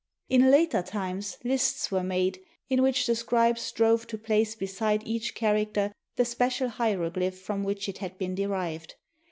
In later times, lists were made, in which 471 MESOPOTAMIA the scribes strove to place beside each character the special hieroglyph from which it had been derived.